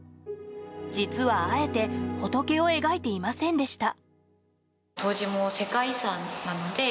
実は、あえて仏を描いていませんでした。